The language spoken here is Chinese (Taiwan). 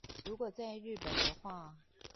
如果在日本的話